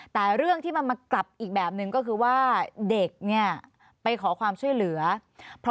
แต่เรื่องที่มันมากลับอีกแบบนึงก็คือว่าเด็กเนี่ยไปขอความช่วยเหลือเพราะ